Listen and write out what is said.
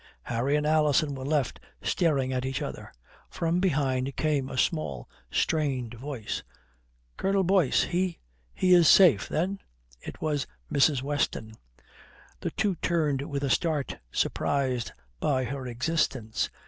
Harry and Alison were left staring at each other. From behind came a small strained voice: "Colonel Boyce he he is safe, then?" It was Mrs. Weston. The two turned with a start, surprised by her existence.